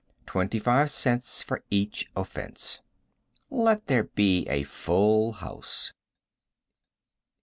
Twenty five cents for each offense. Let there be a full house.